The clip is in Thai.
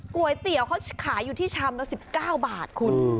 ก๋วยเตี๋ยวเขาขายอยู่ที่ชามละ๑๙บาทคุณ